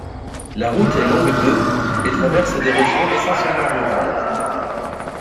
La route est longue de et traverse des régions essentiellement rurales.